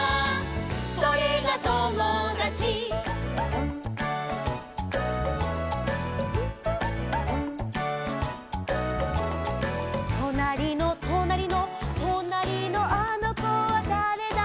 「それがともだち」「となりのとなりの」「となりのあのこはだれだろう」